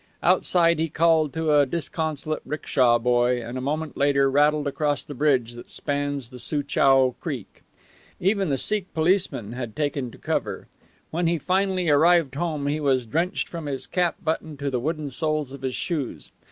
Outside he called to a disconsolate 'ricksha boy, and a moment later rattled across the bridge that spans the Soochow Creek. Even the Sikh policeman had taken to cover. When he finally arrived home he was drenched from his cap button to the wooden soles of his shoes.